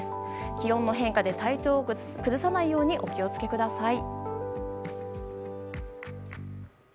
気温の変化で体調を崩さないようにお気をつけください。